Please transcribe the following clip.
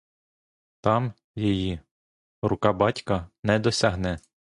Там її рука батька не досягне.